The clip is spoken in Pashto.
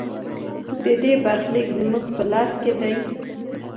د دې برخلیک زموږ په لاس کې دی؟